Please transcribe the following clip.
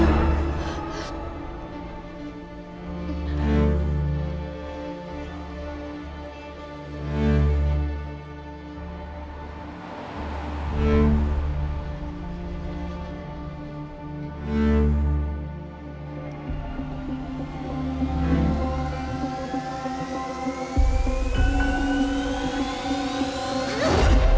และล้างเลยสิครับ